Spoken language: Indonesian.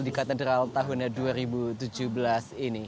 di katedral tahun dua ribu tujuh belas ini